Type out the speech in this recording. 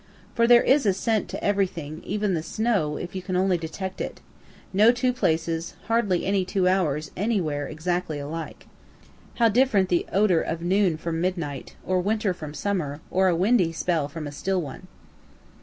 (For there is a scent to everything, even the snow, if you can only detect it no two places, hardly any two hours, anywhere, exactly alike. How different the odor of noon from midnight, or winter from summer, or a windy spell from a still one.)